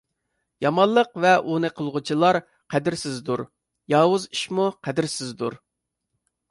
يامانلىق ۋە ئۇنى قىلغۇچىلار قەدىرسىزدۇر. ياۋۇز ئىشمۇ قەدىرسىزدۇر.